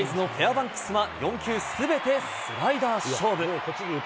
バンクスは４球すべてスライダー勝負。